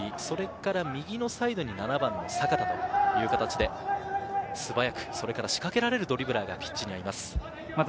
それから右のサイドに７番の阪田という形で、素早く、それから仕掛けられるドリブラーがピッチにはいます。